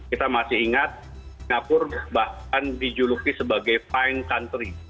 kita masih ingat singapura bahkan dijuluki sebagai fine country